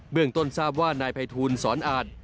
เมืองต้นทราบว่านายภัยทูลสอนอาจ